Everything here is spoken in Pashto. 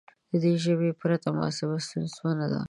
د دې ژبې پرته محاسبه ستونزمنه ده.